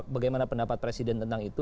bagaimana pendapat presiden tentang itu